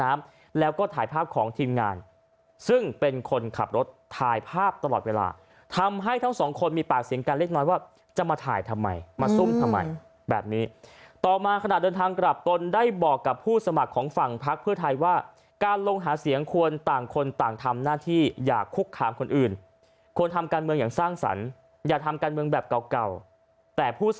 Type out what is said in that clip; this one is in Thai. น้ำแล้วก็ถ่ายภาพของทีมงานซึ่งเป็นคนขับรถถ่ายภาพตลอดเวลาทำให้ทั้งสองคนมีปากเสียงกันเล็กน้อยว่าจะมาถ่ายทำไมมาซุ่มทำไมแบบนี้ต่อมาขณะเดินทางกลับตนได้บอกกับผู้สมัครของฝั่งพักเพื่อไทยว่าการลงหาเสียงควรต่างคนต่างทำหน้าที่อย่าคุกคามคนอื่นควรทำการเมืองอย่างสร้างสรรค์อย่าทำการเมืองแบบเก่าเก่าแต่ผู้ส